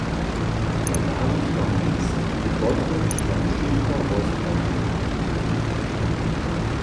Ja darich wam list, w kotrymž wam wšitko rozkładźech.